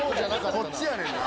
こっちやねんな。